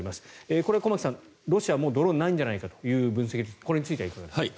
これは駒木さん、ロシアはもうドローンがないんじゃないかという分析ですがこれについてはいかがですか。